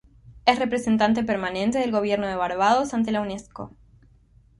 Es representante permanente del gobierno de Barbados ante la Unesco.